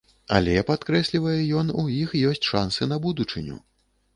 Але, падкрэслівае ён, у іх ёсць шансы на будучыню.